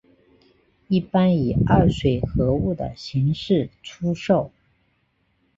一般以二水合物的形式出售。